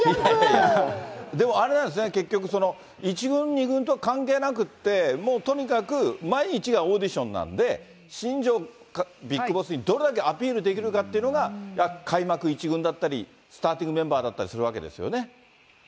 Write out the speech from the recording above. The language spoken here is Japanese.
でもあれなんですね、結局、１軍、２軍と関係なくて、もうとにかく毎日がオーディションなんで、新庄ビッグボスにどれだけアピールできるかというのが、開幕１軍だったり、スターティングメンバーだったりするわけですよね。